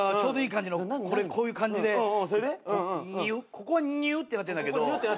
ここはにゅうってなってんだけど。